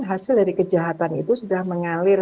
hasil dari kejahatan itu sudah mengalir